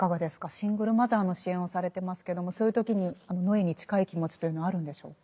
シングルマザーの支援をされてますけどもそういう時に野枝に近い気持ちというのはあるんでしょうか。